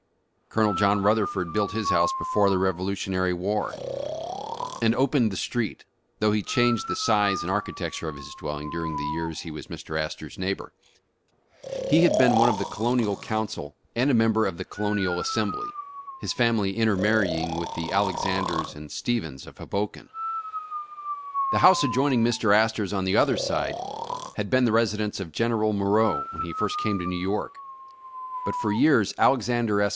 Colonel John Rutherford built his house before the Revolutionary War, and opened the street, though he changed the size and ar chitecture of his dwelling during the yars he was Mr. Astor 's neighbor. He had been one of the Colonial Council and a member of the Colonial Assembly, his 262 Homes and Neighbors family intermarrying with the Alexanders and Stevens of Hoboken. The house adjoining Mr. Astor's on the other side had been the residence of General Moreau when he first came to New York, but for years Alexander S.